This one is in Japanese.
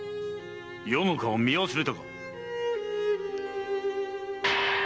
余の顔を見忘れたか？